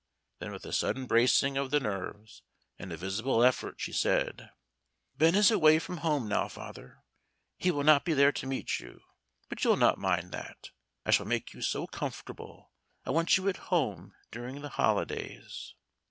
Then with a sudden bracing of the nerves, and a visible effort, she said: "Ben is away from home now, father. He will not be there to meet you, but you'll not mind that: I shall make you so comfortable; I want you at home during the holidays."